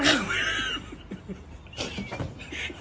อะไรอย่างเงี้ย